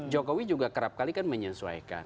jokowi juga kerap kali kan menyesuaikan